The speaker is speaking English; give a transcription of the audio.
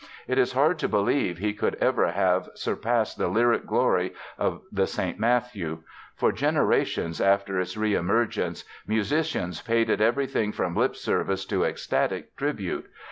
It is hard to believe he could ever have surpassed the lyric glory of the St. Matthew. For generations after its re emergence musicians paid it everything from lip service to ecstatic tribute.